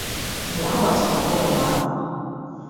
Mgbe a gbachara bọọlụ ahụ